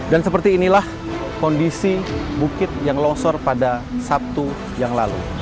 dan seperti inilah kondisi bukit yang longsor pada sabtu yang lalu